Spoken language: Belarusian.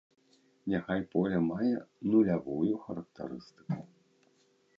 Няхай поле мае нулявую характарыстыку.